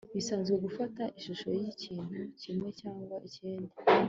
bisanzwe gufata ishusho yikintu kimwe cyangwa ikindi